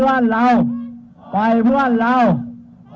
ก็วันนี้ที่เราแถลงนะครับเราตั้งใจจะเชิญชัวร์ร่านส่วนข้างบนที่นี่นะครับ